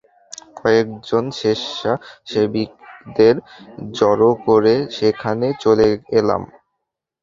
কয়েকজন স্বেচ্ছাসেবীদের জড়ো করে এখানে চলে এলাম।